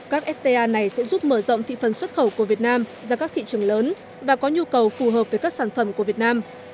các fta này sẽ giúp mở rộng thị phần xuất khẩu của việt nam ra các thị trường lớn và có nhu cầu phù hợp với các sản phẩm của việt nam